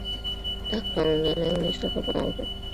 დაკრძალულია ლევილის სასაფლაოზე.